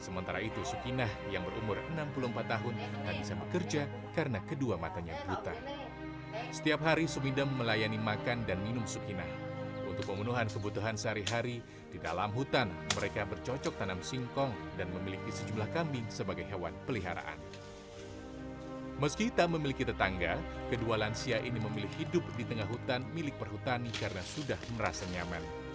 meski tak memiliki tetangga kedua lansia ini memilih hidup di tengah hutan milik perhutani karena sudah merasa nyaman